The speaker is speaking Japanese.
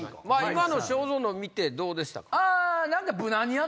今の章造のを見てどうでしたか？